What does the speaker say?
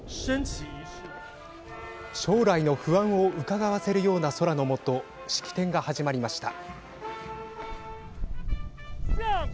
将来の不安をうかがわせるような空の下式典が始まりました。